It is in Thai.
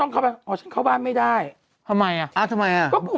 เขาก็ยังรักอยู่